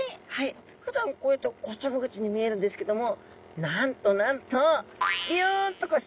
ふだんこうやっておちょぼ口に見えるんですけどもなんとなんとビヨンと下に伸びるんですね。